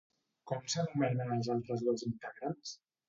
Com s'anomenen els altres dos integrants?